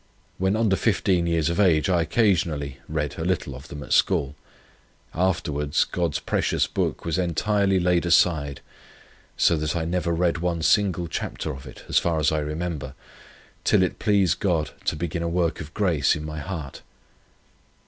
When under fifteen years of age, I occasionally read a little of them at school; afterwards God's precious book was entirely laid aside, so that I never read one single chapter of it, as far as I remember, till it pleased God to begin a work of grace in my heart.